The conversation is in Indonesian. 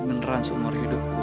beneran seumur hidupku